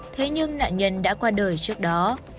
thế nhưng nạn nhân đã qua đời trước đó